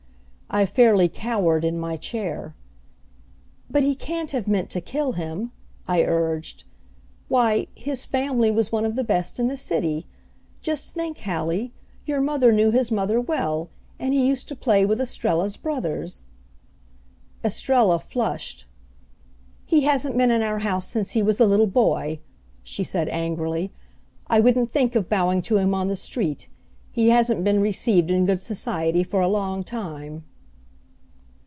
I fairly cowered in my chair. "But he can't have meant to kill him," I urged. "Why, his family was one of the best in the city. Just think, Hallie, your mother knew his mother well, and he used to play with Estrella's brothers." Estrella flushed. "He hasn't been in our house since he was a little boy," she said angrily. "I wouldn't think of bowing to him on the street. He hasn't been received in good society for a long time."